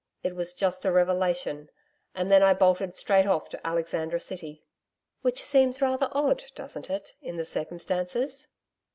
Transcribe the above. It was just a revelation, and then I bolted straight off to Alexandra City.' 'Which seems rather odd, doesn't it, in the circumstances?'